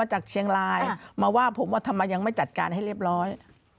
จากเชียงรายมาว่าผมว่าทำไมยังไม่จัดการให้เรียบร้อย